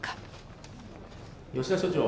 「吉田所長